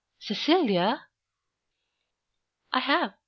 "Cecilia!" "I have.